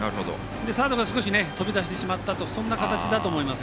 サードが少し飛び出してしまったという形だと思います。